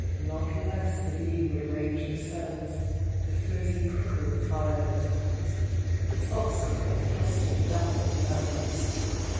"Not less the bee would range her cells, The furzy prickle fire the dells, The foxglove cluster dappled bells."